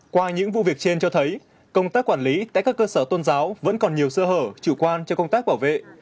qua những vụ việc trên cho thấy công tác quản lý tại các cơ sở tôn giáo vẫn còn nhiều sơ hở chủ quan cho công tác bảo vệ